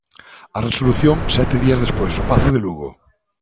A resolución, sete días despois, no Pazo de Lugo.